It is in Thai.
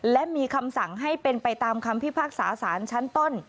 และมีคำสั่งให้เป็นไปตามคำพิพากษาสารชั้นต้น